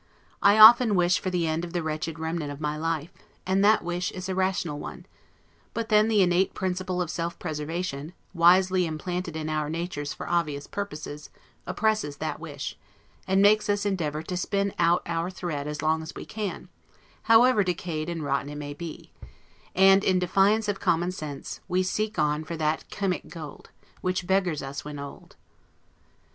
I often wish for the end of the wretched remnant of my life; and that wish is a rational one; but then the innate principle of self preservation, wisely implanted in our natures for obvious purposes, opposes that wish, and makes us endeavor to spin out our thread as long as we can, however decayed and rotten it may be; and, in defiance of common sense, we seek on for that chymic gold, which beggars us when old.